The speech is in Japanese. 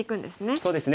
そうですね。